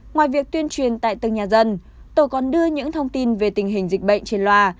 ngoài việc tuyên truyền tại từng nhà dân tổ còn đưa những thông tin về tình hình dịch bệnh trên loa